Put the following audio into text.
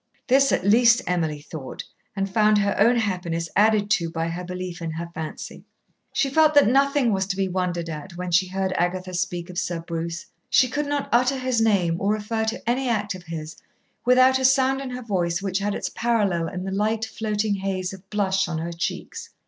This, at least, Emily thought, and found her own happiness added to by her belief in her fancy. She felt that nothing was to be wondered at when she heard Agatha speak of Sir Bruce. She could not utter his name or refer to any act of his without a sound in her voice which had its parallel in the light floating haze of blush on her cheeks.